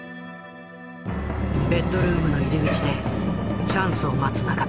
ベッドルームの入り口でチャンスを待つ仲田。